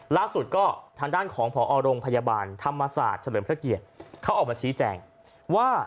ล่าสุดก็ทางด้านของพอโรงพยาบาลธรรมศาสตร์เฉลิมพระเกียรติเขาออกมาชี้แจงว่า